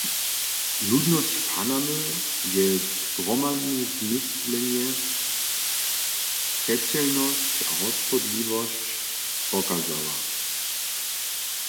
Ludnosć Panamy je zhromadne zmyslenje, přećelnosć a hospodliwosć pokazała.